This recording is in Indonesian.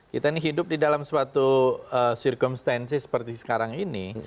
kita ini hidup di dalam suatu circumstensi seperti sekarang ini